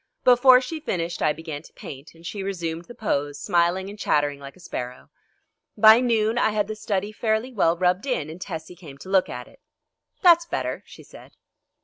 Before she finished I began to paint, and she resumed the pose, smiling and chattering like a sparrow. By noon I had the study fairly well rubbed in and Tessie came to look at it. "That's better," she said.